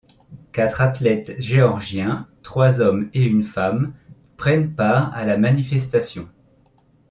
Quatre athlètes géorgiens, trois hommes et une femme, prennent part à la manifestation.